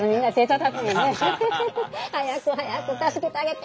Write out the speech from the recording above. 「早く早く助けてあげて！」